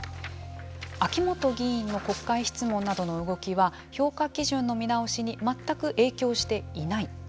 秋本議員の国会質問などの動きは評価基準の見直しに全く影響していない。